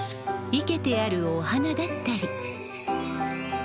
生けてあるお花だったり。